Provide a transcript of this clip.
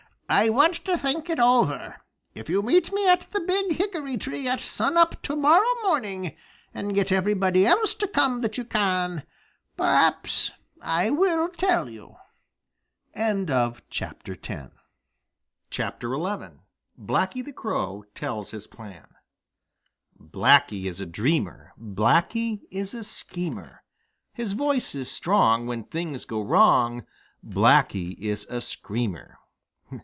"I want to think it over. If you meet me at the Big Hickory tree at sun up to morrow morning, and get everybody else to come that you can, perhaps I will tell you." XI BLACKY THE CROW TELLS HIS PLAN Blacky is a dreamer! Blacky is a schemer! His voice is strong; When things go wrong Blacky is a screamer!